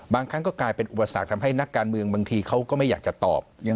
บางครั้งก็กลายเป็นอุปสรรคทำให้นักการเมืองบางทีเขาก็ไม่อยากจะตอบ